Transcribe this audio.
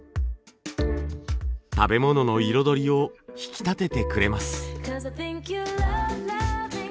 食べ物の彩りを引き立ててくれます。